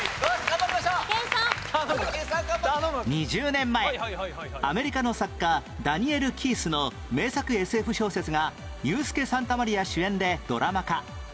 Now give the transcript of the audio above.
２０年前アメリカの作家ダニエル・キイスの名作 ＳＦ 小説がユースケ・サンタマリア主演でドラマ化